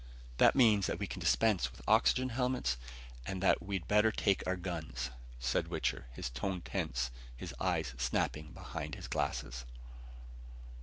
"That means that we can dispense with oxygen helmets and that we'd better take our guns," said Wichter, his voice tense, his eyes snapping behind his glasses.